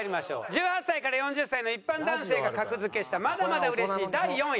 １８歳から４０歳の一般男性が格付けしたまだまだうれしい第４位。